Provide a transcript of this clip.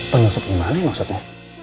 penyusup yang mana maksudnya